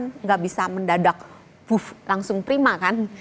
tidak bisa mendadak booth langsung prima kan